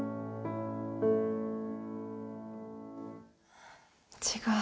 はあ違う。